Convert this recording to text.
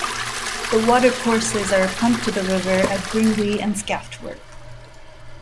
The watercourses are pumped to the river at Gringley and Scaftworth.